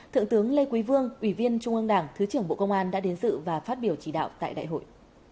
thượng tướng lê quý vương ủy viên trung ương đảng thứ trưởng bộ công an đã đến dự và phát biểu chỉ đạo tại đại hội